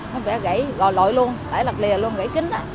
nó vẽ gãy gò lội luôn gãy lật lìa luôn gãy kính nè